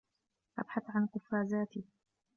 أبحث عن قفازاتي.